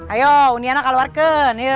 ayo undiannya kalau harken